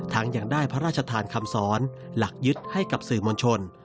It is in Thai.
ยังได้พระราชทานคำสอนหลักยึดให้กับสื่อมวลชน